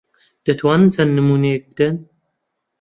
دەتوانن چەند نموونەیەک بدەن؟